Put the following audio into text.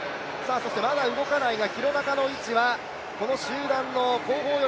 そしてまだ動かないが廣中の位置は集団の後方に。